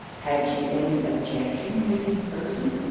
'Had she any objection to his person?'